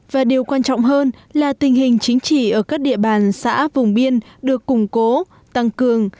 và điều quan trọng hơn là tình hình chính trị ở các địa bàn xã vùng biên được củng cố tăng cường